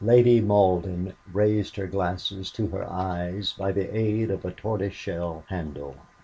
Lady Malden raised her glasses to her eyes by the aid of a tortoise shell handle.